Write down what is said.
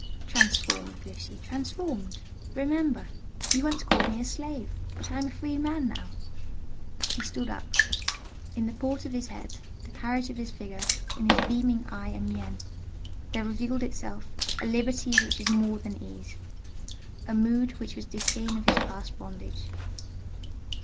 "Transformed, Lucy: transformed! Remember, you once called me a slave! but I am a free man now!" He stood up: in the port of his head, the carriage of his figure, in his beaming eye and mien, there revealed itself a liberty which was more than ease—a mood which was disdain of his past bondage.